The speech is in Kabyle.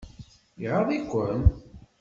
Iɣaḍ-iken?